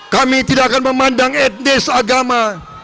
kami tidak akan memandang etnis agama